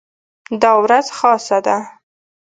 دا ورځ خاصه ده.